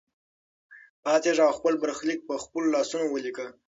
پاڅېږه او خپل برخلیک په خپلو لاسونو ولیکه.